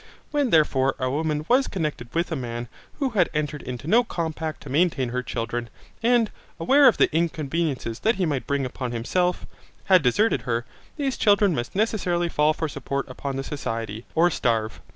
When therefore a woman was connected with a man, who had entered into no compact to maintain her children, and, aware of the inconveniences that he might bring upon himself, had deserted her, these children must necessarily fall for support upon the society, or starve.